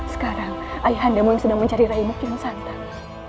sekarang ayah nda mau mencari raimu kian santang